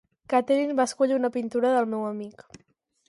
Catherine va escollir una pintura del meu amic.